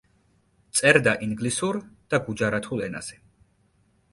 წერდა ინგლისურ და გუჯარათულ ენაზე.